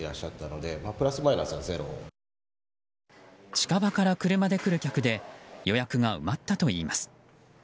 近場から車で来る客で予約が埋まったといいます。